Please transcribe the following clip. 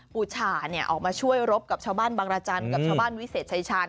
บูชาออกมาช่วยรบกับชาวบ้านบางรจันทร์กับชาวบ้านวิเศษชายชาญ